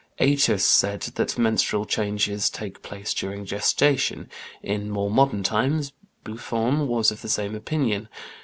Aëtius said that menstrual changes take place during gestation; in more modern times, Buffon was of the same opinion.